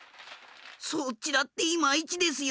そっちだってイマイチですよ。